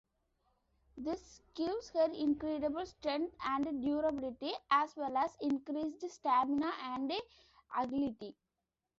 This gives her incredible strength and durability as well as increased stamina and agility.